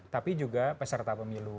tapi juga peserta pemilu